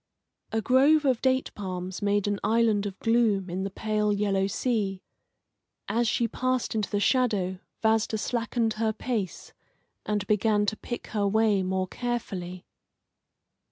A grove of date palms made an island of gloom in the pale yellow sea. As she passed into the shadow Vasda slackened her pace, and began to pick her way more carefully.